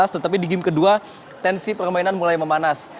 tetapi di game kedua tensi permainan mulai memanas